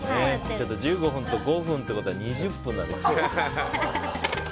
１５分と５分ってことは２０分なので。